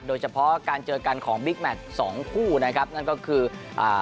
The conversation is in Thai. โดยเฉพาะการเจอกันของบิ๊กแมทสองคู่นะครับนั่นก็คืออ่า